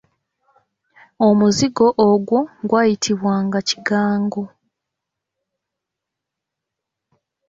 Omuzigo ogwo gwayitibwanga "Kigango".